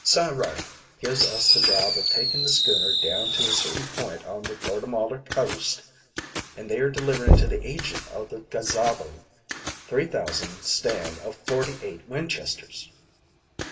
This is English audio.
"Cy Ryder gives us the job o' taking the schooner down to a certain point on the Gortamalar coast and there delivering to the agent o' the gazabo three thousand stand o' forty eight Winchesters.